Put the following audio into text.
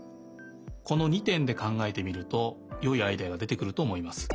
この２てんでかんがえてみるとよいアイデアがでてくるとおもいます。